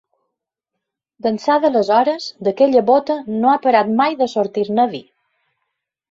D'ençà d'aleshores, d'aquella bóta no ha parat mai de sortir-ne vi.